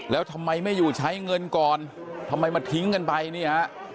แล้วทำไมไม่อยู่ใช้เงินก่อนทำไมมาทิ้งกันไปเนี่ยฮะ